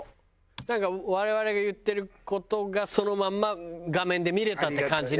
なんか我々が言ってる事がそのまんま画面で見れたって感じね。